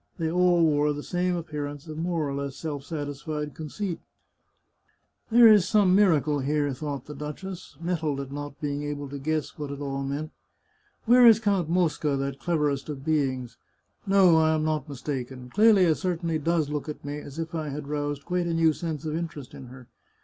They all wore the same appearance of more or less self sat isfied conceit. " There is some miracle here," thought the 284 The Chartreuse of Parma duchess, nettled at not being able to guess what it all meant. Where is Count Mosca, that cleverest of beings? No, I am not mistaken, Clelia certainly does look at me as if I had roused quite a new sense of interest in her.